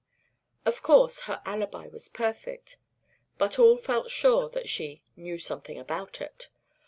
Of course, her alibi was perfect, but all felt sure that she "knew something about it."